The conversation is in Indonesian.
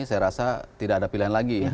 saya rasa tidak ada pilihan lagi ya